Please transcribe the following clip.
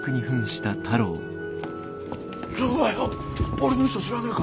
俺の衣装知らねえか？